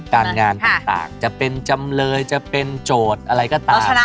การงานต่างจะเป็นจำเลยจะเป็นโจทย์อะไรก็ตาม